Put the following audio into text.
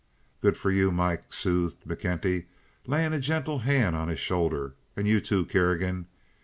"Good for you, Mike!" soothed McKenty, laying a gentle hand on his shoulder. "And you, too, Kerrigan.